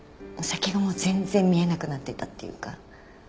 先がもう全然見えなくなってたっていうか。